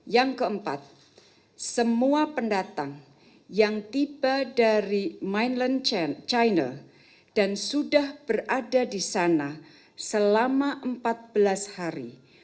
yang keempat semua pendatang yang tiba dari mainland china dan sudah berada di sana selama empat belas hari